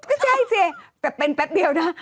ก็ใช่สิแต่เป็นแป๊บเดียวนะ